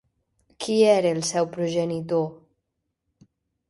Qui era el seu progenitor?